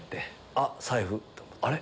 あっ財布あれ？